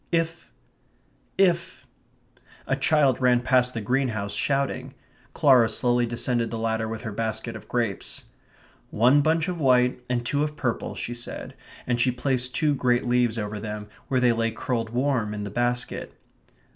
"If ... if ..." A child ran past the greenhouse shouting. Clara slowly descended the ladder with her basket of grapes. "One bunch of white, and two of purple," she said, and she placed two great leaves over them where they lay curled warm in the basket.